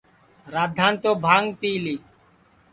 رادھان تو بھانگ پی لی